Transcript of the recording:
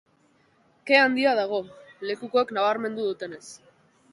Ke handia dago, lekukoek nabarmendu dutenez.